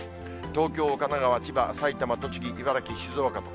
東京、神奈川、千葉、埼玉、栃木、茨城、静岡と。